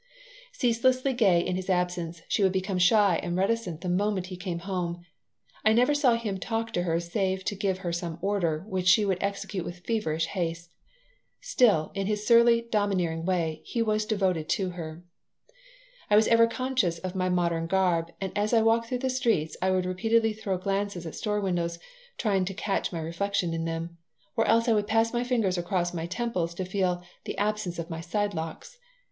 Ceaselessly gay in his absence, she would become shy and reticent the moment he came home. I never saw him talk to her save to give her some order, which she would execute with feverish haste. Still, in his surly, domineering way he was devoted to her I was ever conscious of my modern garb, and as I walked through the streets I would repeatedly throw glances at store windows, trying to catch my reflection in them. Or else I would pass my fingers across my temples to feel the absence of my side locks.